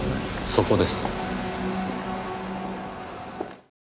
そこです。